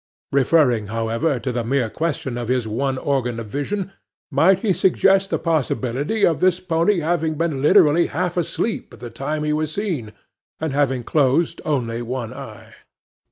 Referring, however, to the mere question of his one organ of vision, might he suggest the possibility of this pony having been literally half asleep at the time he was seen, and having closed only one eye.